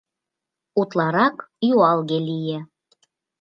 Утларак юалге лие.